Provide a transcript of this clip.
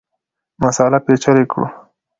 مسأله پېچلې کړو.